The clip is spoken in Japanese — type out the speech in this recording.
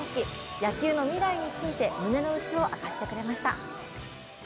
野球の未来について胸の内を明かしてくれました。